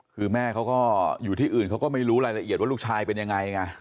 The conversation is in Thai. คือแม่เขาก็อยู่ที่อื่นเขาก็ไม่รู้รายละเอียดว่าลูกชายเป็นยังไงไง